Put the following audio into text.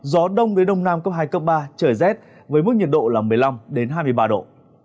gió đông đến đông nam cấp hai cấp ba trời rét với mức nhiệt độ là một mươi năm hai mươi ba độ